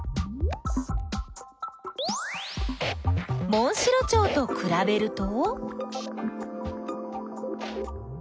モンシロチョウとくらべると？